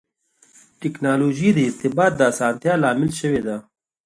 ټکنالوجي د ارتباط د اسانتیا لامل شوې ده.